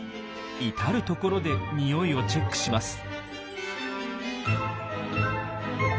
至る所で匂いをチェックします。